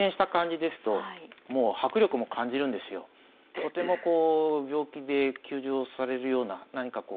とてもこう病気で休場されるような何かこう